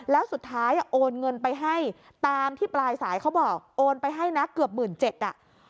แล้วสุดท้ายโอนเงินไปให้ตามที่ปลายสายเขาบอกโอนไปให้นะเกือบหมื่นเจ็ดอ่ะ